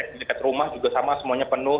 di dekat rumah juga sama semuanya penuh